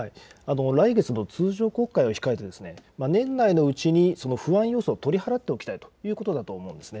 来月の通常国会を控えて年内のうちに不安要素を取り払っておきたいということだと思うんです。